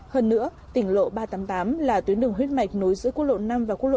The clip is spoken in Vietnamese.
hơn nữa tỉnh lộ ba trăm tám mươi tám là tuyến đường huyết mạch nối giữa quốc lộ năm và quốc lộ một